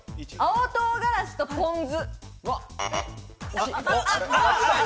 青唐辛子とポン酢。